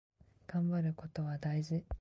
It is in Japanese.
がんばることは大事。